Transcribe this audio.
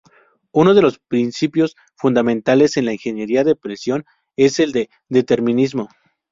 Uno de los principios fundamentales en la ingeniería de precisión es el del determinismo.